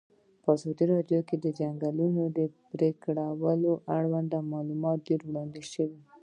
په ازادي راډیو کې د د ځنګلونو پرېکول اړوند معلومات ډېر وړاندې شوي.